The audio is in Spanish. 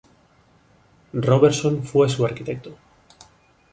Robertson fue su arquitecto.